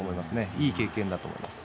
いい経験だと思います。